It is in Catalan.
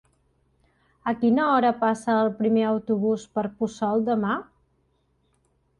A quina hora passa el primer autobús per Puçol demà?